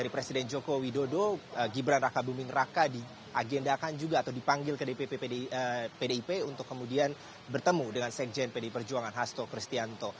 pdip untuk kemudian bertemu dengan sekjen pdi perjuangan hasto cristianto